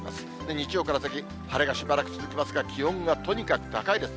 日曜から先、晴れがしばらく続きますが、気温がとにかく高いです。